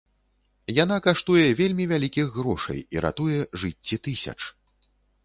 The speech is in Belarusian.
Яна каштуе вельмі вялікіх грошай і ратуе жыцці тысяч.